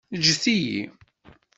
Ǧǧet-iyi.